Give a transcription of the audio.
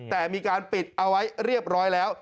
แต่มีการปิดเอาไว้เรียบร้อยแล้ว